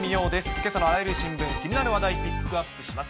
けさのあらゆる新聞、気になる話題、ピックアップします。